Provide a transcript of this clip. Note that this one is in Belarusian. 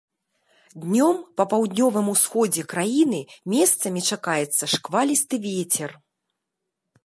Днём па паўднёвым усходзе краіны месцамі чакаецца шквалісты вецер.